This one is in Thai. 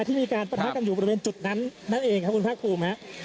ที่มีการปะทะกันอยู่บริเวณจุดนั้นนั่นเองครับคุณภาคภูมิฮะ